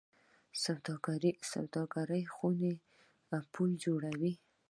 سوداګرۍ خونې پل جوړوي